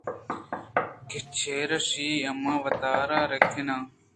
کہ چَرایشی ءَ من وتارا رَکہّیناں